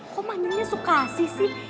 kok manggilnya suka sih sih